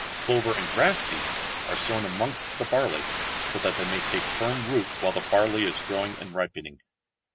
Clover and grass seeds are sown amongst the barley, so that they may take firm root whilst the barley is growing and ripening.